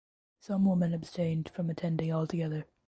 Some women abstained from attending altogether.